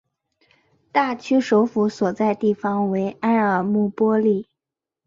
大区首府所在地为埃尔穆波利。